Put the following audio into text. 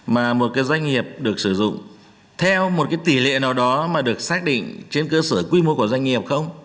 mà một cái doanh nghiệp được sử dụng theo một cái tỷ lệ nào đó mà được xác định trên cơ sở quy mô của doanh nghiệp không